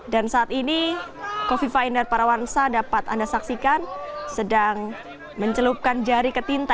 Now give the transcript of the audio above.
dan saat ini kofifah indar parawansa dapat anda saksikan sedang mencelupkan jari ketinta